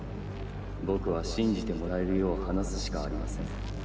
僕は信じてもらえるよう話すしかありません。